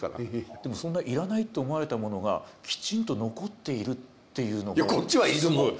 でもそんないらないと思われたものがきちんと残っているっていうのが。